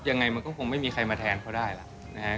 ยังไงมันก็คงไม่มีใครมาแทนเขาได้ล่ะนะครับ